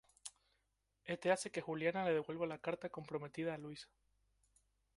Éste hace que Juliana le devuelva las cartas comprometidas a Luisa.